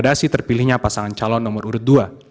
rekomendasi terpilihnya pasangan calon nomor urut dua